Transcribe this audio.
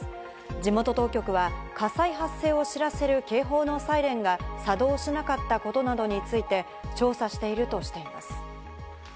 地元当局は火災発生を知らせる警報のサイレンが作動しなかったことなどについて調査しているとしています。